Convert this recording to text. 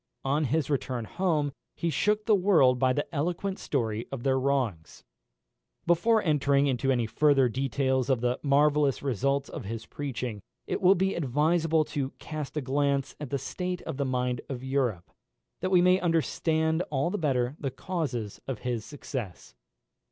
On his return home he shook the world by the eloquent story of their wrongs. Before entering into any further details of the marvellous results of his preaching, it will be advisable to cast a glance at the state of the mind of Europe, that we may understand all the better the causes of his success.